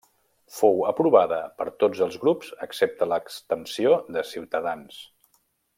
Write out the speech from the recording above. Fou aprovada per tots els grups excepte l'abstenció de Ciutadans.